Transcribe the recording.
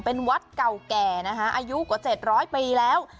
เป็นวัดเก่าแก่นะคะอายุกว่า๗๐๐ปีแล้ว